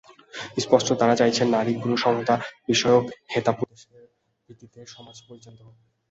স্পষ্টতই তারা চাইছে যে, নারী-পুরুষ সমতাবিষয়ক হিতোপদেশের ভিত্তিতে সমাজ পরিচালিত হোক।